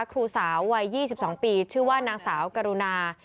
ครูสาววัย๒๒ปีชื่อว่านางสาวกรุณา